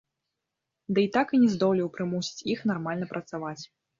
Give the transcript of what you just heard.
Дый так і не здолеў прымусіць іх нармальна працаваць.